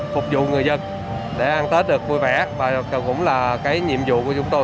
phục vụ người dân để ăn tết được vui vẻ và cũng là cái nhiệm vụ của chúng tôi